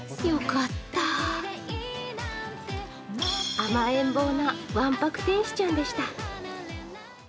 甘えん坊なわくぱく天使ちゃんでした。